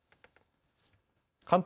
関東